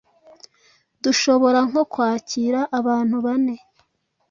"Dushobora nko kwakira abantu bane